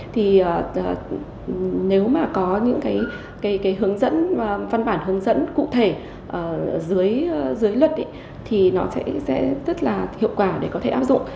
thì nếu mà có những cái hướng dẫn văn bản hướng dẫn cụ thể dưới luật thì nó sẽ rất là hiệu quả để có thể áp dụng